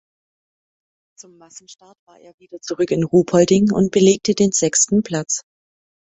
Zum Massenstart war er wieder zurück in Ruhpolding und belegte den sechsten Platz.